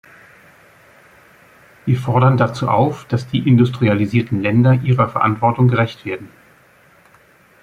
Wir fordern dazu auf, dass die industrialisierten Länder ihrer Verantwortung gerecht werden.